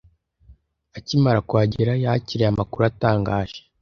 Akimara kuhagera, yakiriye amakuru atangaje.